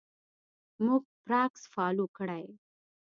موږ پر اکس فالو کړئ